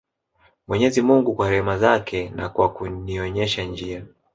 Mwenyezi mungu kwa rehma zake na kwa kunionyesha njia